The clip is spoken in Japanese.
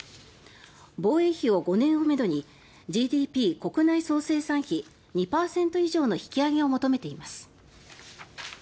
防衛費を５年をめどにＧＤＰ・国内総生産比２％以上の引き上げを求めています。